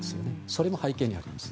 それも背景にあります。